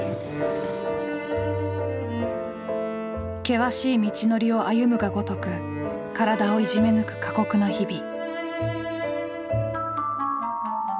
険しい道のりを歩むがごとく体をいじめ抜く過酷な日々。